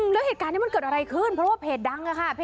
แล้วเหตุการณ์นี้มันเกิดอะไรขึ้นเพราะว่าเพจดังอะค่ะ